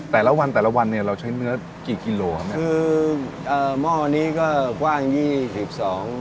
แต่ละวันแต่ละวันเนี่ยเราใช้เนื้อกี่กิโลครับเนี้ยคือเอ่อหม้อนี้ก็กว้างยี่สิบสอง